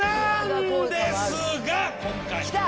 なんですが！来た！